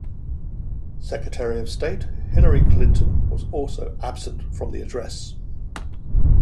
Secretary of State Hillary Clinton was also absent from the address.